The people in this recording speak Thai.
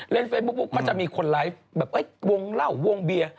เล่นเฟซบุ๊กก็จะมีคนไลฟ์แบบวงเหล้าวงเบียร์